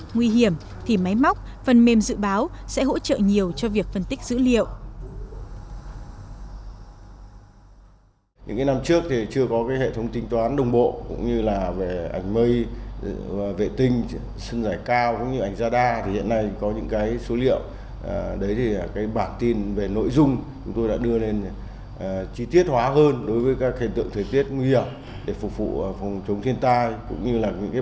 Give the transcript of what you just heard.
nguy hiểm thì máy móc phần mềm dự báo sẽ hỗ trợ nhiều cho việc phân tích dữ liệu